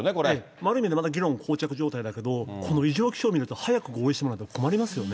ある意味で議論、こう着状態だけど、この異常気象を見ると、早く合意してもらわないと困りますよね。